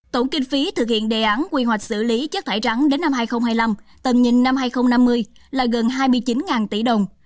tổng kinh phí thực hiện đề án quy hoạch xử lý chất thải rắn đến năm hai nghìn hai mươi năm tầm nhìn năm hai nghìn năm mươi là gần hai mươi chín tỷ đồng